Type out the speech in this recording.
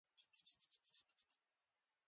کوندي د دې خلکو سد خلاص شي.